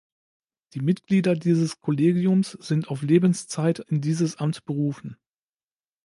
Die Mitglieder dieses Kollegiums sind auf Lebenszeit in dieses Amt berufen.